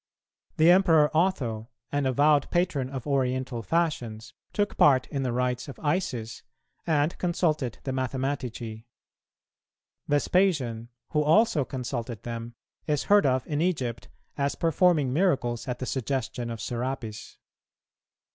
The Emperor Otho, an avowed patron of oriental fashions, took part in the rites of Isis, and consulted the Mathematici. Vespasian, who also consulted them, is heard of in Egypt as performing miracles at the suggestion of Serapis.